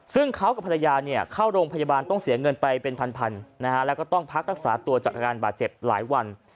ซึ่งเขากับภรรยาเข้าโรงพยาบาลต้องเสียเงินไปเป็นพันแล้วก็ต้องพักรักษาตัวจากอาการบาดเจ็บหลายวัน